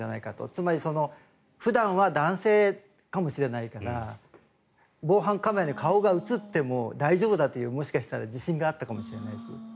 つまり普段は男性かもしれないから防犯カメラに顔が映っても大丈夫だというもしかしたら自信があったかもしれないです。